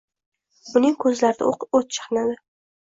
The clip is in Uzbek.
uning ko‘zlarida o‘t chaqnadi.